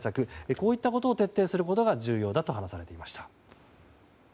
こういったことを徹底することが重要だと話されていました。